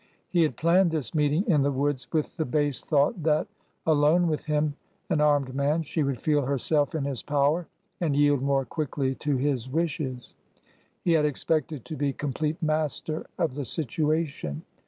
He had planned this meeting in the woods with the base thought that, alone with him, an armed man, she would feel herself in his power and yield more quickly to his wishes. He had expected to be complete master of the situation.